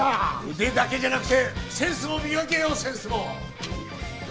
腕だけじゃなくてセンスも磨けよセンスも！